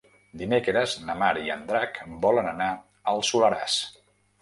Dimecres na Mar i en Drac volen anar al Soleràs.